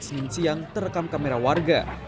senin siang terekam kamera warga